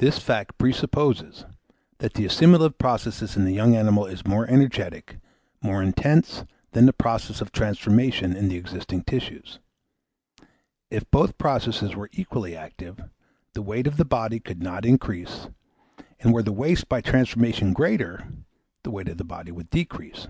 This fact presupposes, that the assimilative process in the young animal is more energetic, more intense, than the process of transformation in the existing tissues. If both processes were equally active, the weight of the body could not increase; and were the waste by transformation greater, the weight of the body would decrease.